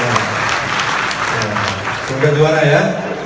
ya sungguh juara ya